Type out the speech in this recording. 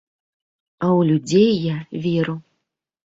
А ў людзей я веру.